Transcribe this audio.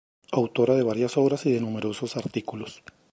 Autora de varias obras y de numerosos artículos.